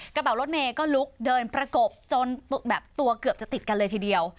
กระเป๋ารถเมย์ก็ลุกเดินประกบจนแบบตัวเกือบจะติดกันเลยทีเดียว